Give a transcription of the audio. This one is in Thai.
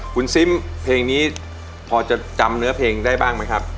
คุณซิมเพลงนี้พอจะจำเนื้อเพลงได้บ้างไหมครับ